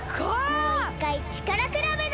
もういっかいちからくらべだ！